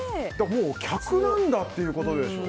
もう客なんだってことでしょ。